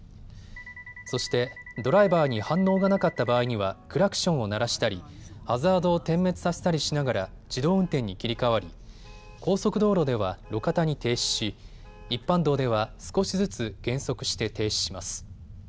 そしてドライバーに反応がなかった場合にはクラクションを鳴らしたりハザードを点滅させたりしながら自動運転に切り替わり高速道路では路肩に停止し一般道では少しずつ減速して停止します。